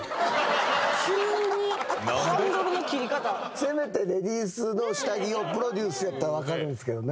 せめてレディースの下着をプロデュースやったらわかるんですけどね。